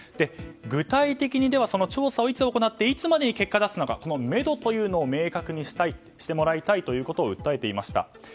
具体的にその調査をいつ行っていつまでに結果を出すのかこのめどというのを明確にしてもらいたいと訴えていました。